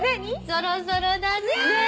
そろそろだね。